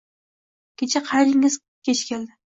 Kecha qayningiz kech keldi